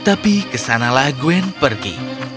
tapi kesanalah gwen pergi